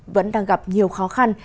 vẫn đang gặp nhiều khó khăn